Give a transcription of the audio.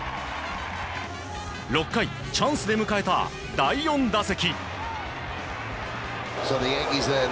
６回、チャンスで迎えた第４打席。